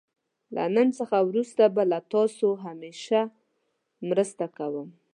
له نن څخه وروسته به له تاسو همېشه مرسته کوم.